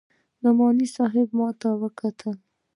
نعماني صاحب ما ته وکتل.